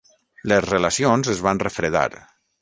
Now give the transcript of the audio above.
Les relacions es van refredar.